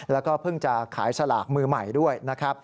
แล้วก็เพิ่งจะขายสลากมือใหม่ด้วยนะครับ